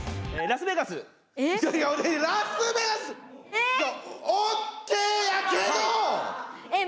ラスベガス！え